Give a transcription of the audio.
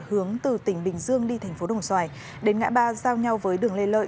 hướng từ tỉnh bình dương đi thành phố đồng xoài đến ngã ba giao nhau với đường lê lợi